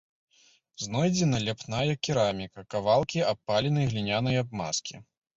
Знойдзена ляпная кераміка, кавалкі абпаленай глінянай абмазкі.